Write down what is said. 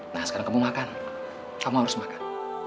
nah sekarang kamu makan kamu harus makan